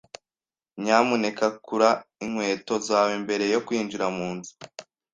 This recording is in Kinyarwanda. Nyamuneka kura inkweto zawe mbere yo kwinjira munzu.